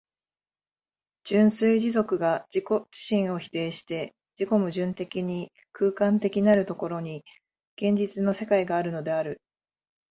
純粋持続が自己自身を否定して自己矛盾的に空間的なる所に、現実の世界があるのである。